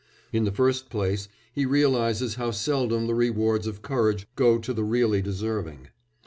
In the first place he realises how seldom the rewards of courage go to the really deserving.